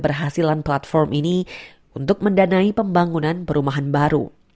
perhasilan platform ini untuk mendanai pembangunan perumahan baru